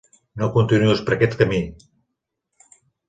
No continuïs per aquest camí!